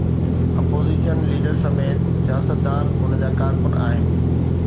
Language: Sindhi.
اپوزيشن ليڊر سميت سياستدان ان جا ڪارڪن آهن.